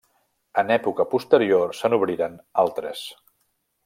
En època posterior se n'obriren altres.